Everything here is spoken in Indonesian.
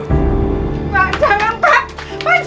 pak jangan pak